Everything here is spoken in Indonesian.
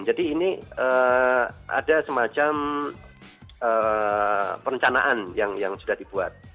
jadi ini ada semacam perencanaan yang sudah dibuat